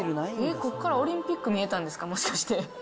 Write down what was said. ここからオリンピック見えたんですか、もしかして。